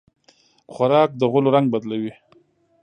خوراک د غولو رنګ بدلوي.